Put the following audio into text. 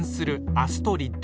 アストリッド！